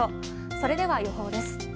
それでは、予報です。